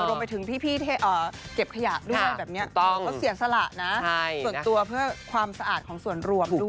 รวมไปถึงพี่ที่เก็บขยะด้วยแบบนี้เขาเสียสละนะส่วนตัวเพื่อความสะอาดของส่วนรวมด้วย